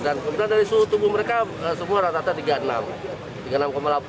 dan kemudian dari suhu tubuh mereka semua rata rata tiga puluh enam